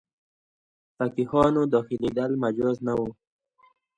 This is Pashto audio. فقیهانو داخلېدل مجاز نه وو.